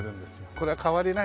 これは変わりないね。